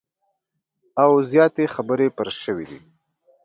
او زیاتي خبري پر سوي دي